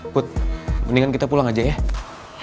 put mendingan kita pulang aja ya